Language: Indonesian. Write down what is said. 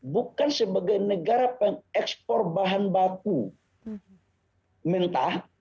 bukan sebagai negara pengekspor bahan baku mentah